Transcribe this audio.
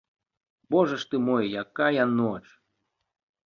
Божа ж ты мой, якая ноч!